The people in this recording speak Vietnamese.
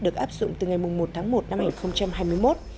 được áp dụng từ ngày một tháng một năm hai nghìn hai mươi một